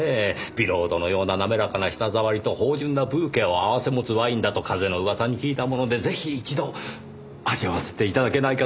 ビロードのような滑らかな舌触りと芳醇なブーケを併せ持つワインだと風の噂に聞いたものでぜひ一度味わわせて頂けないかと思いまして。